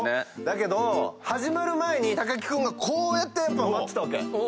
だけど始まる前に木君がこうやって待ってたわけ。